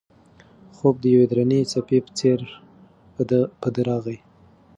خوب د یوې درنې څپې په څېر په ده راغی.